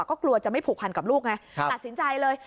ก็กลัวจะไม่ผูกพันกับลูกไงตัดสินใจเลย